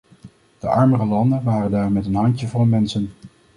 De armere landen waren daar met een handjevol mensen.